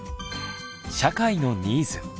社会のニーズ。